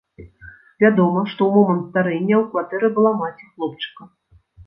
Вядома, што ў момант здарэння ў кватэры была маці хлопчыка.